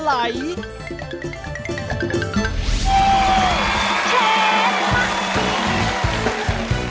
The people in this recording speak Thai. เชียบมาก